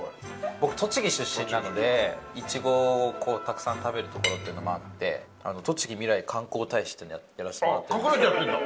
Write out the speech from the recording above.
僕栃木出身なので苺をたくさん食べるところっていうのもあってとちぎ未来観光大使っていうのをやらせてもらってるんですよ。